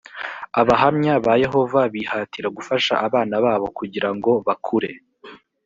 abahamya ba yehova bihatira gufasha abana babo kugira ngo bakure